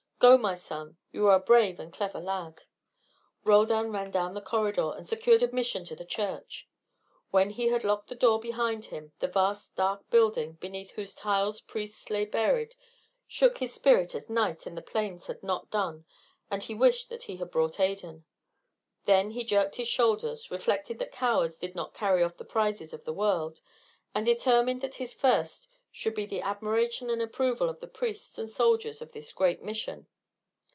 Go, my son. You are a brave and clever lad." Roldan ran down the corridor and secured admission to the church. When he had locked the door behind him, the vast dark building, beneath whose tiles priests lay buried, shook his spirit as night and the plains had not done, and he wished that he had brought Adan. Then he jerked his shoulders, reflected that cowards did not carry off the prizes of the world, and determined that his first should be the admiration and approval of the priests and soldiers of this great Mission.